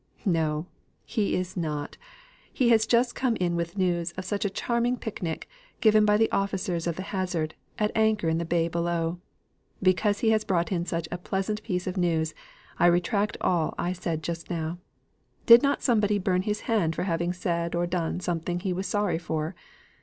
No! he is not. He has just come in with news of such a charming pic nic, given by the officers of the Hazard, at anchor in the bay below. Because he has brought in such a pleasant piece of news, I retract all I said just now. Did not somebody burn his hand for having said or done something he was sorry for?